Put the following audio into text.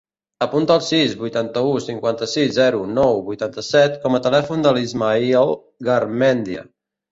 Apunta el sis, vuitanta-u, cinquanta-sis, zero, nou, vuitanta-set com a telèfon de l'Ismaïl Garmendia.